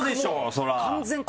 そりゃ。